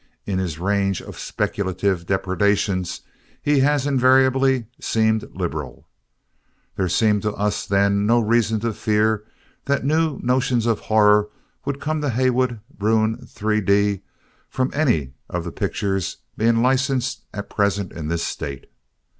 In his range of speculative depredations he has invariably seemed liberal. There seemed to us, then, no reason to fear that new notions of horror would come to Heywood Broun, 3d, from any of the pictures being licensed at present in this State.